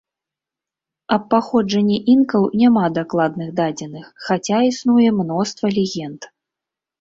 Аб паходжанні інкаў няма дакладных дадзеных, хаця існуе мноства легенд.